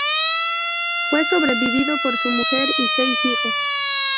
Fue sobrevivido por su mujer y seis hijos.